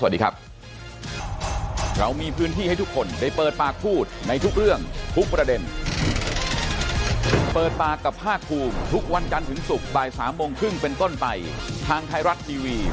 วันนี้ลาไปก่อนครับสวัสดีครับ